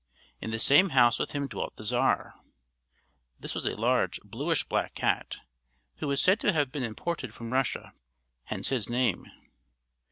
In the same house with him dwelt the Czar, this was a large bluish black cat, who was said to have been imported from Russia hence his name.